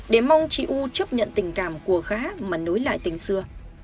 để mong chị u chấp nhận tình cảm của gác mà nối lại tình xưa